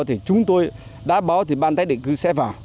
thì chúng tôi đã báo thì ban tái định cư sẽ vào